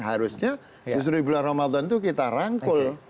harusnya justru di bulan ramadan itu kita rangkul